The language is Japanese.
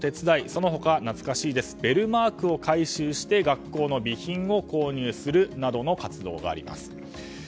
その他、懐かしいですベルマークを回収して学校の備品を購入するなどの活動があります。